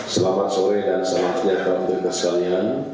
selamat sore dan selamat siang teman teman sekalian